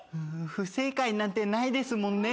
不正解なんてないですもんね。